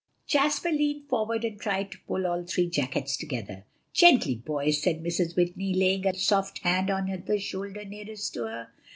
Jasper leaned forward and tried to pull all three jackets together. "Gently, boys," said Mrs. Whitney, laying a soft hand on the shoulder nearest to her.